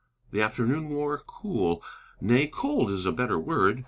The afternoon wore cool; nay, cold is a better word.